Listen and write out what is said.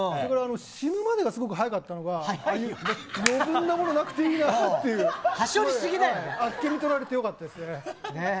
死ぬまでがすごく早かったのが余分なものがなくていいなってあっけにとられてよかったです。